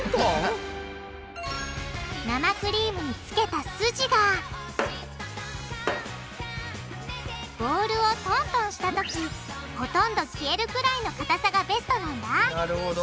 生クリームにつけたすじがボウルをトントンしたときほとんど消えるくらいのかたさがベストなんだなるほど。